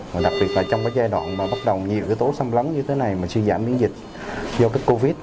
mà đặc biệt là trong cái giai đoạn mà bắt đầu nhiều cái tố xâm lấn như thế này mà suy giảm miễn dịch do cái covid